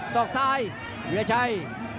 สองซ้ายวิราชัย